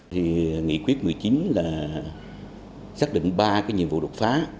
thì nghị quyết một mươi chín là xác định ba cái nhiệm vụ đột phá